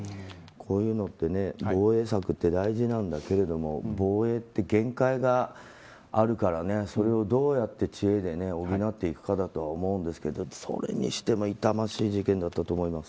こういうのの防衛策って大事なんだけど防衛って限界があるからねそれをどうやって知恵で補っていくかだとは思うんですけどそれにしても痛ましい事件だったと思います。